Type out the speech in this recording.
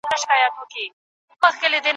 یو ایږدن مي خیرات نه کړ چي مي خلاص کړي له اورونو